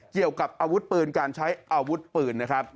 เกี่ยวกับอาวุธปืนการใช้อาวุธปืนนะครับ